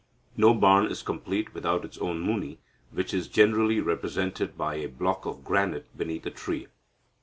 No barn is complete without its own Muni, who is generally represented by a block of granite beneath a tree.